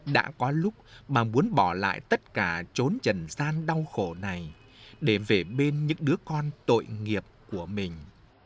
đã có lúc bà muốn bỏ lại tất cả trốn trần gian đau khổ này để về bên những đứa con tội nghiệp của mình